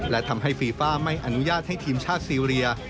และทำให้ฟีฟ่าไม่อนุญาตให้ทีมชาติซีเรีย